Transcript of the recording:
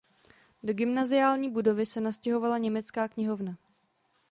Do gymnaziální budovy se nastěhovala německá knihovna.